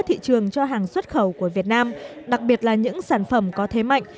thị trường cho hàng xuất khẩu của việt nam đặc biệt là những sản phẩm có thế mạnh